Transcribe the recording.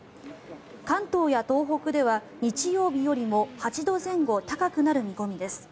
関東や東北では日曜日よりも８度前後高くなる見込みです。